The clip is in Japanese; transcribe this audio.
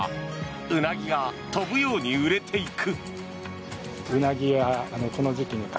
ウナギが飛ぶように売れていく。